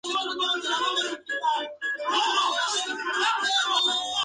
A la primera concesión pierdes parte de tu libertad.